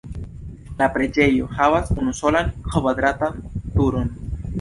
La preĝejo havas unusolan kvadratan turon.